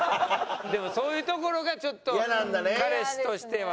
でもそういうところがちょっと彼氏としてはね想像できない。